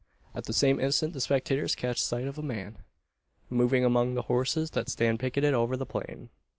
At the same instant the spectators catch sight of a man, moving among the horses that stand picketed over the plain.